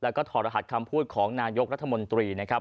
แล้วก็ถอดรหัสคำพูดของนายกรัฐมนตรีนะครับ